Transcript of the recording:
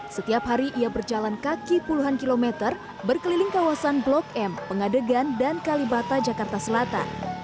setiap hari ia berjalan kaki puluhan kilometer berkeliling kawasan blok m pengadegan dan kalibata jakarta selatan